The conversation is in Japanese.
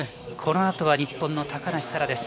このあとは日本の高梨沙羅。